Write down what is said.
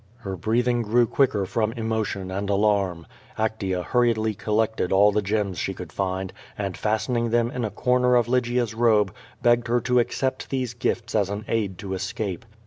Her breathing grew quicker from emotion and alarm. Actea hurriedly collected g^ QUO VADIS. all the gems she could find, and, fastening them in a corner of Lygia's robe, begged her to accept these gifts as an aid to escape.